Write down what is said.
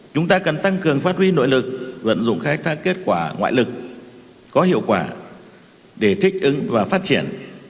chúng ta cần tăng cường phát huy nội lực vận dụng khai thác kết quả ngoại lực có hiệu quả để thích ứng và phát triển